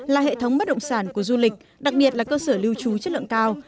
là hệ thống bất động sản của du lịch đặc biệt là cơ sở lưu trú chất lượng cao